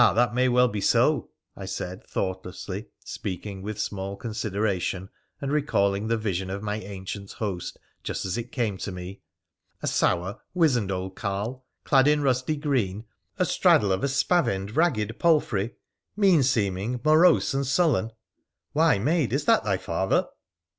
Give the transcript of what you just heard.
that may well be so,' I said thoughtlessly, speaking with small consideration and recalling the vision of my ancient host just as it came to me —' a sour, wizened old carl, clad in rusty green, a straddle of a spavined, ragged palfrey ; mean seeming, morose, and sullen — why, maid, is that thy father